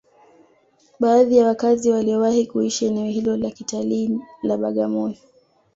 Baadhi ya wakazi waliowahi kuishi eneo hilo la kitalii la Bagamoyo